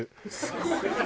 すごいわ。